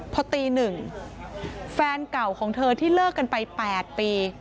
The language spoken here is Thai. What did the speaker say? พอตี๑แฟนเก่าของเธอที่เลิกกันไป๘ปี